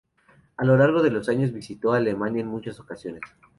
A lo largo de los años visitó Alemania en muchas ocasiones.